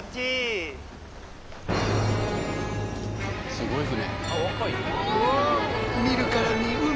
すごい船。